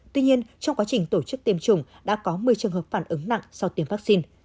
tuy nhiên trong quá trình tổ chức tiêm chủng đã có một mươi trường hợp phản ứng nặng sau tiêm vaccine